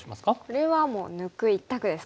これはもう抜く一択ですか。